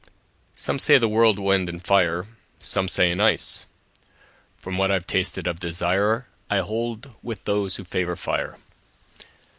SOME say the world will end in fire, Some say in ice. From what I've tasted of desireI hold with those who favor fire.